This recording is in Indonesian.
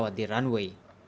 pesawat di runway